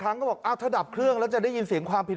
ครั้งก็บอกอ้าวถ้าดับเครื่องแล้วจะได้ยินเสียงความผิด